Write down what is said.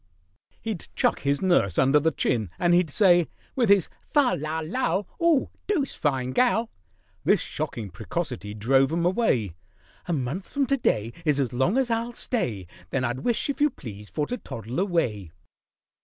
He'd chuck his nurse under the chin, and he'd say, With his "Fal, lal, lal"— "'Oo doosed fine gal!" This shocking precocity drove 'em away: "A month from to day Is as long as I'll stay— Then I'd wish, if you please, for to toddle away."